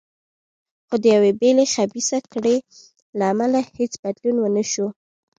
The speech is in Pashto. خو د یوې بلې خبیثه کړۍ له امله هېڅ بدلون ونه شو.